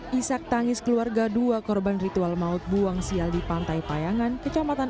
hai isyak tangis keluarga dua korban ritual maut buang sial di pantai payangan kecamatan